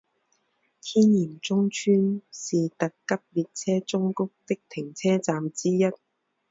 天盐中川是特急列车宗谷的停车站之一。